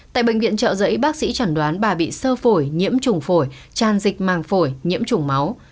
tại bệnh viện trợ giấy bác sĩ chẩn đoán bà bị sơ phổi nhiễm trùng phổi tràn dịch màng phổi nhiễm trùng máu